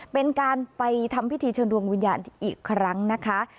เป็นการไปทำพิธีเชิญดวงวิญญาณอีกครั้งนะคะ